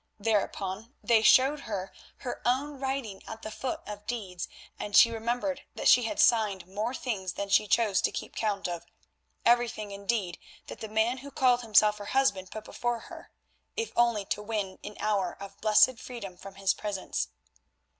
Thereupon they showed her her own writing at the foot of deeds, and she remembered that she had signed more things than she chose to keep count of, everything indeed that the man who called himself her husband put before her, if only to win an hour of blessed freedom from his presence.